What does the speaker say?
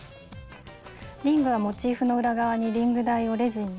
リングはモチーフの裏側にリング台をレジンでつけて下さい。